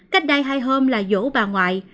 cách đây hai hôm là vỗ bà ngoại